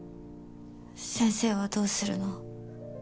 先生はどうするの？